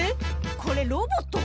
これロボット？